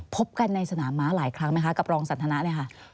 พบกันในสนามม้าหลายครั้งไหมคะกับรองสันทนาเนี่ยค่ะ